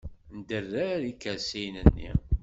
Nderrer ikersiyen-nni.